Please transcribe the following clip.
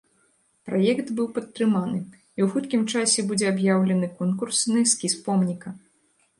Праект быў падтрыманы і ў хуткім часе будзе аб'яўлены конкурс на эскіз помніка.